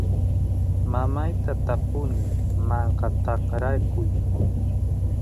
mamayta tapuni manka tikrakuy